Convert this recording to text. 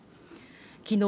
きのう